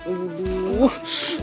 uh uh uh